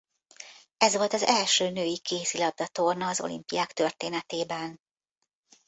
Ez volt az első női kézilabda-torna az olimpiák történetében.